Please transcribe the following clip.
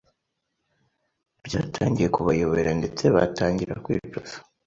Byatangiye kubayobera ndetse batangira kwicuza